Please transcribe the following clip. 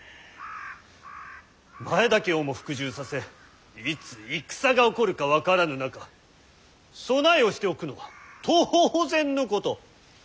前田家をも服従させいつ戦が起こるか分からぬ中備えをしておくのは当然のこと。